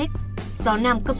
gió nam cấp ba cấp ba